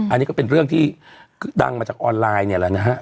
อันนี้ก็เป็นเรื่องที่ดังมาจากออนไลน์เนี่ยแหละนะฮะ